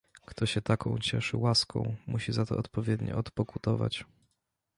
"Kto się taką cieszy łaską, musi za to odpowiednio odpokutować."